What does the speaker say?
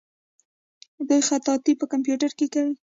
دوی خطاطي په کمپیوټر کې کوي.